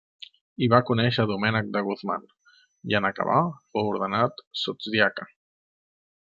Hi va conèixer Domènec de Guzmán i en acabar fou ordenat sotsdiaca.